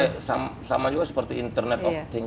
iya sama juga seperti internet of things